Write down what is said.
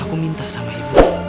aku minta sama ibu